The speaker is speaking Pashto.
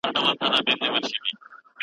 سياست پوهنه د بشري فکرونو د پرمختګ پايله ده.